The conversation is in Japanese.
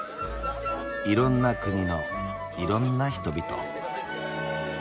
いろんな国のいろんな人々。